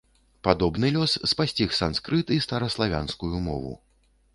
Падобны лёс спасціг санскрыт і стараславянскую мову.